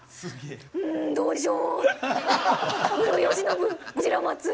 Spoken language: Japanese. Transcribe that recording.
んどうでしょう！